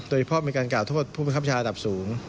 โดยเฉพาะมีการกล่าวโทษผู้เป็นครับประชาระดับสูง